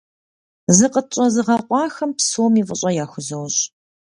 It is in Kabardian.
Зыкъытщӏэзыгъэкъуахэм псоми фӀыщӀэ яхузощӀ.